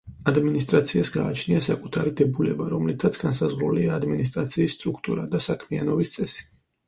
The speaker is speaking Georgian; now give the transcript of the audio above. ადმინისტრაციას გააჩნია საკუთარი დებულება, რომლითაც განსაზღვრულია ადმინისტრაციის სტრუქტურა და საქმიანობის წესი.